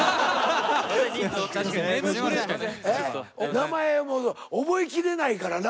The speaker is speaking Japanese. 名前も覚えきれないからな。